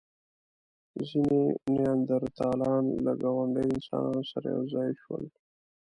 ځینې نیاندرتالان له ګاونډيو انسانانو سره یو ځای شول.